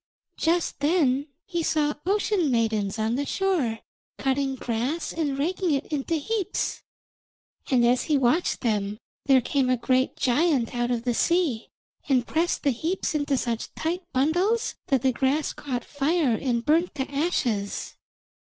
Just then he saw ocean maidens on the shore, cutting grass and raking it into heaps. And as he watched them there came a great giant out of the sea and pressed the heaps into such tight bundles that the grass caught fire and burnt to ashes.